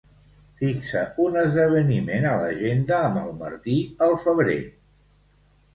Fixa un esdeveniment a l'agenda amb el Martí al febrer.